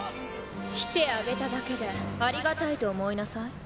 来てあげただけでありがたいと思いなさい。